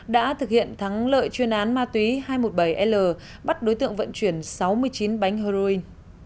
đã thực hiện thắng lợi chuyên án ma túy hai trăm một mươi bảy l bắt đối tượng vận chuyển sáu mươi chín bánh heroin